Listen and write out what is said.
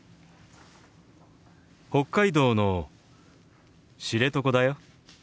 北海道の知床だよ。